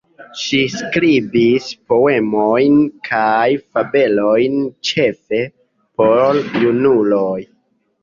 Ŝi skribis poemojn kaj fabelojn ĉefe por junuloj.